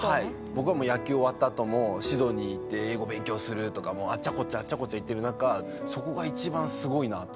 僕はもう野球終わったあともシドニー行って英語勉強するとかもあっちゃこっちゃあっちゃこっちゃ行ってる中そこが一番すごいなと思って。